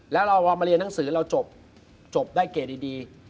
แล้วเรามาเรียนหนังสือเราจบได้เกรดดี